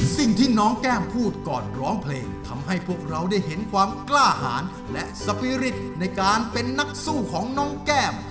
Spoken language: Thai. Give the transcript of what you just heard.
สิ่งที่น้องแก้มพูดก่อนร้องเพลงทำให้พวกเราได้เห็นความกล้าหารและสปีริตในการเป็นนักสู้ของน้องแก้ม